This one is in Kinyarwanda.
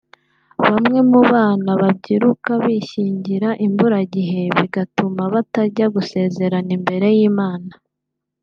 Bamwe mu bana babyiruka bishyingira imburagihe bigatuma batajya gusezerana imbere y’amategeko